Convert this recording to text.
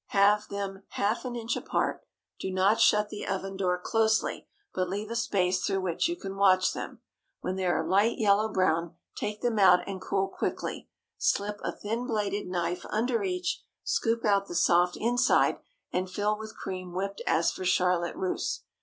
Have them half an inch apart. Do not shut the oven door closely, but leave a space through which you can watch them. When they are a light yellow brown, take them out and cool quickly. Slip a thin bladed knife under each; scoop out the soft inside, and fill with cream whipped as for Charlotte Russe.